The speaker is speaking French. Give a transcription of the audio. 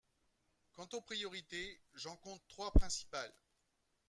Quant aux priorités, j’en compte trois principales.